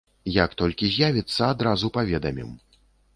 Як толькі з'явіцца, адразу паведамім.